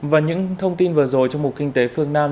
và những thông tin vừa rồi trong mục kinh tế phương nam